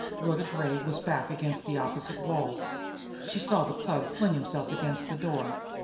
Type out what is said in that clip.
Rhoda Gray was back against the opposite wall. She saw the Pug fling himself against the door.